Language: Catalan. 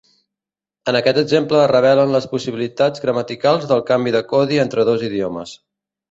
En aquest exemple es revelen les possibilitats gramaticals del canvi de codi entre dos idiomes.